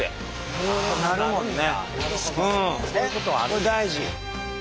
これ大事。